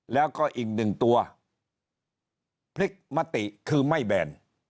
แล้วก็อีกหนึ่งตัวพลิกมติคือไม่แบน